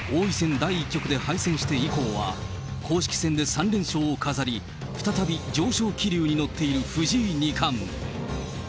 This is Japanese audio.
第１局で敗戦して以降は公式戦で３連勝を飾り、再び上昇気流に乗っている藤井二冠。